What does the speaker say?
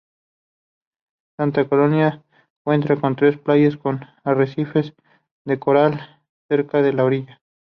Santa Carolina cuenta con tres playas con arrecifes de coral cerca de la orilla.